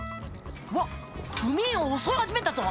わっ組員を襲い始めたぞ。